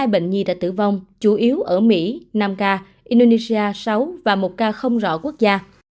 một mươi hai bệnh nhi đã tử vong chủ yếu ở mỹ năm ca indonesia sáu và một ca không rõ quốc gia